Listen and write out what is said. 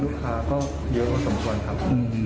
ลูกค้าก็เยอะพอสมควรครับ